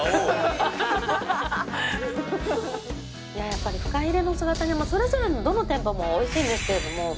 やっぱりフカヒレの姿煮もそれぞれどの店舗もおいしいんですけれども。